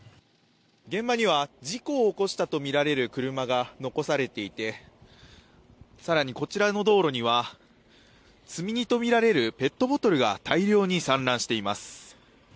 現場には事故を起こしたとみられる車が残されていて更に、こちらの道路には積み荷とみられるペットボトルが大量に散乱しています。